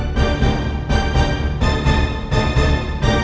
di meja kamu sama istri kamu